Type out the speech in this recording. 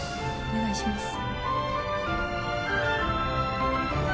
お願いします